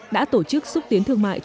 đã tổ chức xúc tiến thương mại